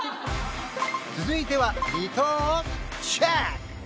続いては離島をチェック！